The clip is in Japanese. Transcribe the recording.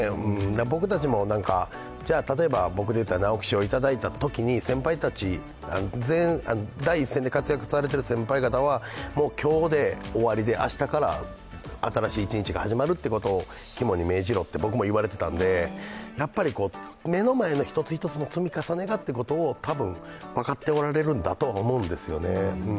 僕たちも例えば、僕だったら直木賞いただいたときに先輩たち、第一線で活躍されている先輩方は今日で終わりで明日から新しい一日が始まるということを肝に銘じろと僕も言われてたんでやっぱり目の前の１つ１つの積み重ねがというのを多分、分かっておられるんだと思うんですよね。